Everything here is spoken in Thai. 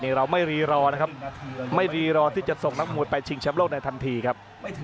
นี่เราไม่รีรอนะครับไม่รีรอที่จะส่งนักมวยไปชิงแชมป์โลกในทันทีครับ